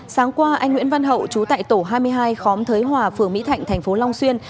sáng qua anh nguyễn văn hậu chú tại tổ hai mươi hai khóm thới hòa phường mỹ thạnh thành phố long xuyên